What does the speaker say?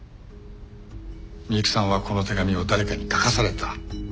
美雪さんはこの手紙を誰かに書かされた。